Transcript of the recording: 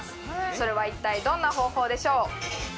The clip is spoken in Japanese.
それは一体どんな方法でしょう？